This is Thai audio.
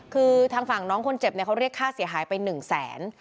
คือทางฝั่งน้องคนเจ็บเขาเรียกค่าเสียหายไป๑แสน